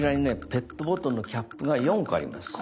ペットボトルのキャップが４個あります。